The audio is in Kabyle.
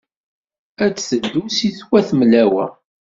Ad d-teddu seg wat Mlawa.